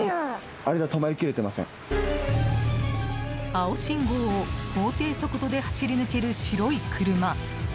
青信号を法定速度で走り抜ける白い車。